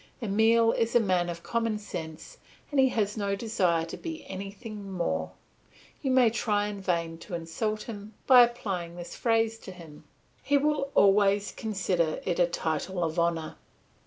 Emile is a man of common sense and he has no desire to be anything more; you may try in vain to insult him by applying this phrase to him; he will always consider it a title of honour.